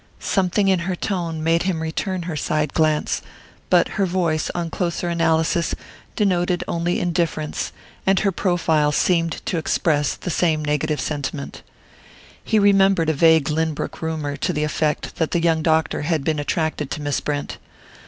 Something in her tone made him return her side glance; but her voice, on closer analysis, denoted only indifference, and her profile seemed to express the same negative sentiment. He remembered a vague Lynbrook rumour to the effect that the young doctor had been attracted to Miss Brent.